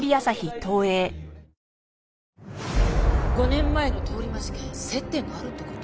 ５年前の通り魔事件接点があるって事？